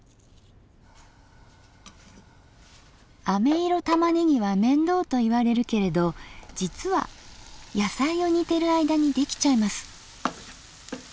あめ色たまねぎは面倒といわれるけれど実は野菜を煮てる間にできちゃいます。